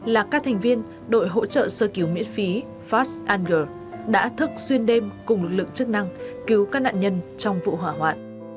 là các thành viên đội hỗ trợ sơ cứu miễn phí fast anger đã thức xuyên đêm cùng lực lượng chức năng cứu các nạn nhân trong vụ hỏa hoạn